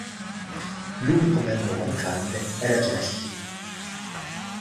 L'unico membro mancante era Jesse.